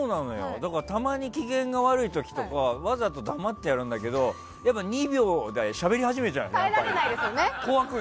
だからたまに機嫌が悪い時とかわざと黙ってやるんだけどやっぱり２秒でしゃべり始めちゃうよね。